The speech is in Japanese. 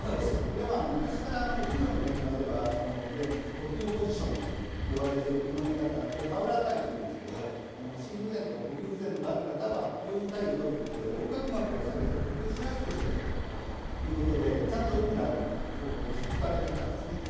これは昔から医療の現場ではいわゆる呼吸ポジションと言われているこの寝方、これファウラー体位というんですが心不全とか呼吸不全がある方はこういう体位を取ることで横隔膜を下げて呼吸しやすくしてあげるということでちゃんと意味のある方法として使われてきたんですね。